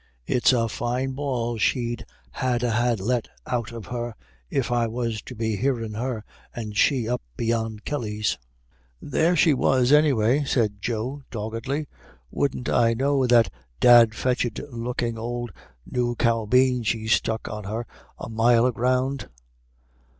It's a fine bawl she'd ha' had to let out of her, if I was to be hearin' her, and she up beyond Kellys'." "There she was anyway," Joe said, doggedly. "Wouldn't I know that dad fetched lookin' ould new caubeen she's stuck on her a mile o' ground?"